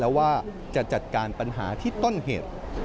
แล้วว่าจะจัดการปัญหาที่ต้นเหตุ